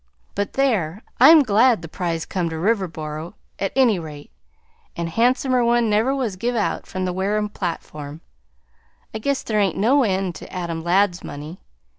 But there! I'm glad the prize come to Riverboro 't any rate, and a han'somer one never was give out from the Wareham platform. I guess there ain't no end to Adam Ladd's money.